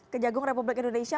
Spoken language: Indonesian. kejagung republik indonesia